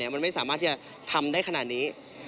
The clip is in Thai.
มันไม่สามารถที่จะทำได้ขนาดนี้